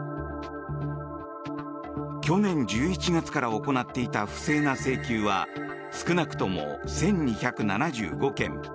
去年１１月から行っていた不正な請求は少なくとも１２７５件。